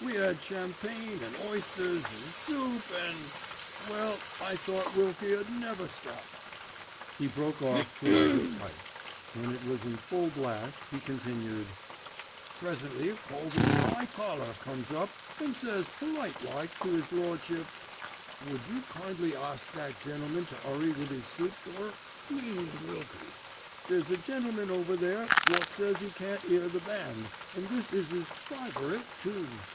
"We 'ad champagne an' oysters, an' soup an'—— Well I thought Wilkie 'ud never stop." He broke off to light his pipe, when it was in full blast he continued. "Presently a cove in an 'igh collar comes up an' says polite like to 'is lordship— "'Would you kindly ask that gentleman to 'urry with 'is soup, sir,' meanin' Wilkie, 'there's a gentleman over there wot says 'e can't 'ear the band, an' this is 'is favourite tune.